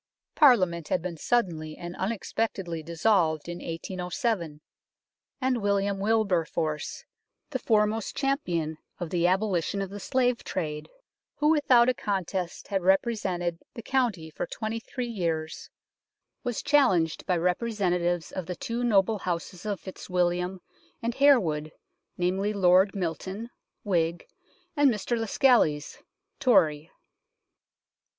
Parliament 92 UNKNOWN LONDON had been suddenly and unexpectedly dissolved in 1807, and William Wilberforce, the foremost champion of the abolition of the slave trade, who without a contest had represented the county for twenty three years, was challenged by representatives of the two noble houses of Fitzwilliam and Harewood, namely, Lord Milton (Whig) and Mr Lascelles (Tory).